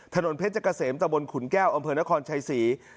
ถนนเพชรเกษมตะบนขุนแก้วอำเภอนครชัยศรี